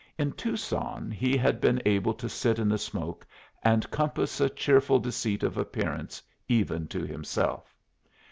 In Tucson he had been able to sit in the smoke, and compass a cheerful deceit of appearance even to himself.